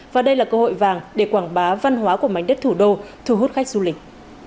và đây là cơ hội vàng để quảng bá văn hóa của mảnh đất thủ đô thu hút khách du lịch